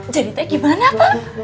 jadi teh gimana pak